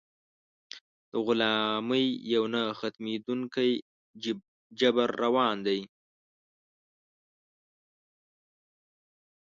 د غلامۍ یو نه ختمېدونکی جبر روان دی.